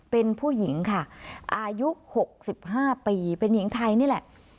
เป็นผู้หญิงค่ะอายุ๖๕ปีเป็นหญิงไทยนี่แหละ